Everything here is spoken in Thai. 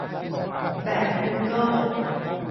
"แบบกูเกิล"